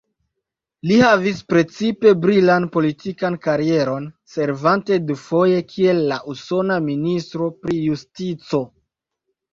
Li havis precipe brilan politikan karieron, servante dufoje kiel la usona ministro pri justico.